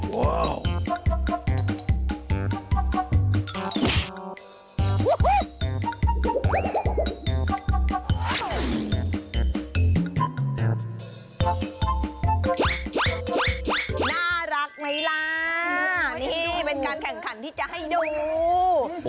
น่ารักไหมล่ะนี่เป็นการแข่งขันที่จะให้ดู